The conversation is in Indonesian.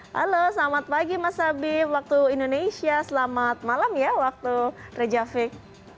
halo selamat pagi mas habib waktu indonesia selamat malam ya waktu rejavic